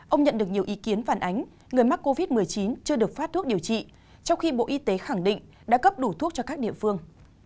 ông nhận được nhiều ý kiến phản ánh người mắc covid một mươi chín chưa được phát thuốc điều trị trong khi bộ y tế khẳng định đã cấp đủ thuốc cho các địa phương